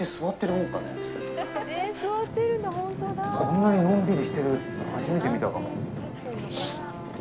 こんなにのんびりしてるの、初めて見たかも。